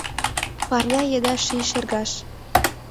Парня еда ший шергаш.